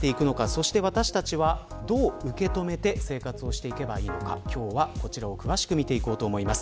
そして私たちはどう受け止めて生活をしていけばいいのか今日は、こちらを詳しく見ていきたいと思います。